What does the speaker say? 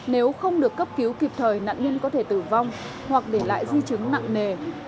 nếu không được cấp cứu kịp thời nạn nhân có thể tử vong hoặc để lại di chứng nặng nề